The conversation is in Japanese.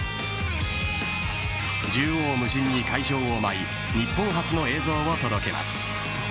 縦横無尽に会場を舞い日本初の映像を届けます。